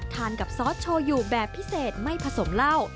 ทานกับซอสโชว์อยู่แบบพิเศษไม่ผสมเหล้า